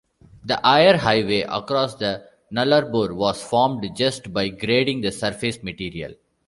The Eyre Highway across the Nullarbor was formed just by grading the surface material.